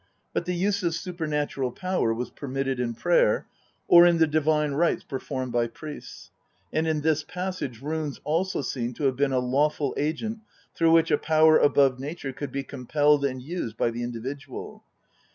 But the use of supernatural power was permitted in prayer, or in the divine rites performed by priests ; and in this passage runes also seem to have been a lawful agent through which a power above nature could be compelled and used by the individual.